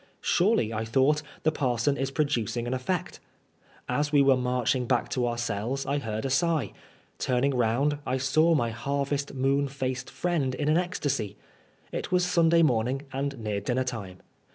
Snrely, I thought^ the parson is producing an effect. As we were march ing back to our cells I heard a sigh. Tmning round, I saw my harvest moon faced friend in an ecstacy. It was Snnday morning, and near dinner time.